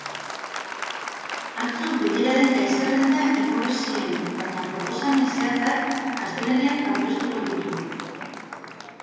Atzo bileraren gai-zerrenda igorri zien, baina proposamen zehatzak astelehenean aurkeztuko ditu.